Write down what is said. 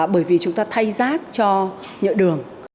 bởi vì chúng ta thay rác cho nhựa đường